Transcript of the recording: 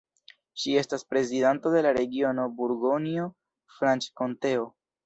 Ŝi estas prezidanto de la regiono Burgonjo-Franĉkonteo.